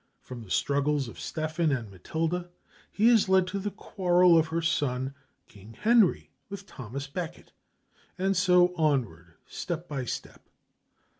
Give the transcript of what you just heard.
From the struggles of Stephen and Matilda he is led to the quarrel of her son, King Henry, with Thomas Becket, and so onward step by step.